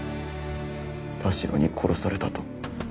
田代に殺されたと。